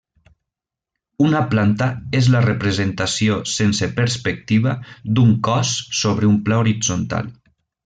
Una planta és la representació sense perspectiva d'un cos sobre un pla horitzontal.